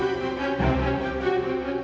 yang sepupu banget